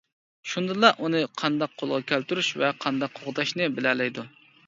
شۇندىلا ئۇنى قانداق قولغا كەلتۈرۈش ۋە قانداق قوغداشنى بىلەلەيدۇ.